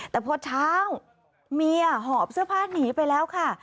แต่พอเช้าเมียหอบเสื้อผ้าหนีไปแล้วค่ะ